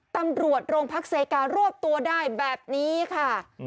ตำรวจโรงพักเซการวบตัวได้แบบนี้ค่ะ